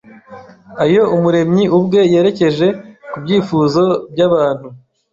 ayo Umuremyi ubwe yerekeje ku byifuzo by’abantu,